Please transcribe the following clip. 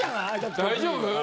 大丈夫？